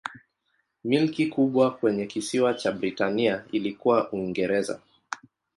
Milki kubwa kwenye kisiwa cha Britania ilikuwa Uingereza.